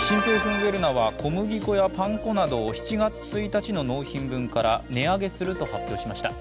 ウェルナは小麦粉やパン粉などを７月１日の納品分から値上げすると発表しました。